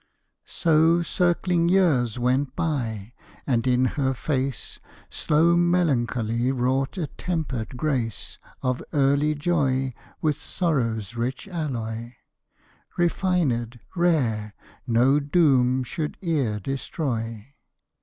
_ So, circling years went by; and in her face Slow melancholy wrought a tempered grace Of early joy with sorrow's rich alloy Refinèd, rare, no doom should e'er destroy.